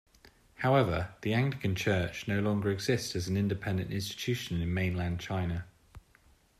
However, the Anglican Church no longer exists as an independent institution in mainland China.